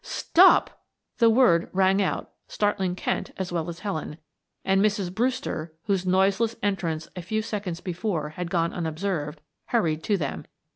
"Stop!" The word rang out, startling Kent as well as Helen, and Mrs. Brewster, whose noiseless entrance a few seconds before had gone unobserved, hurried to them.